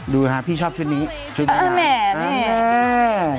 ดูค่ะพี่ชอบชุดนี้ชุดน้ำน้ำใช่ค่ะ